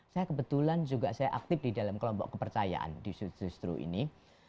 saya kebetulan juga saya aktif di dalam kelompok kepercayaan di sutru sutru ini